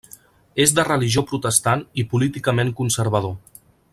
És de religió protestant i políticament conservador.